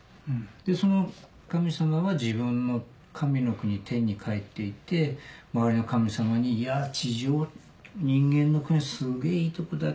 でその神様は自分の神の国天に帰って行って周りの神様にいや地上人間の国はすげぇいいとこだ